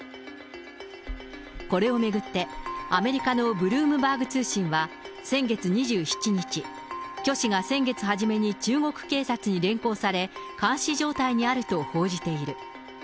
これを巡って、アメリカのブルームバーグ通信は、先月２７日、許氏が先月初めに中国警察に連行され、監視状態にあると報じている。